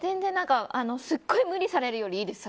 すっごい無理されるよりいいです。